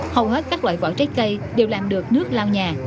hầu hết các loại vỏ trái cây đều làm được nước lao nhà